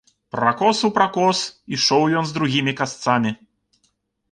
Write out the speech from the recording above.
Пракос у пракос ішоў ён з другімі касцамі.